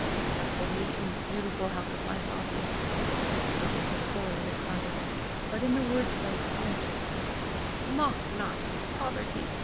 The holy and beautiful house of my fathers, " She spoke of her poor little cottage, but in the words lay spiritual fact. " mock not its poverty!"